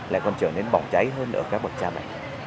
lại còn trở nên bỏng cháy hơn ở các bậc cha mẹ